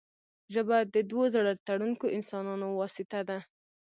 ژبه د دوو زړه تړونکو انسانانو واسطه ده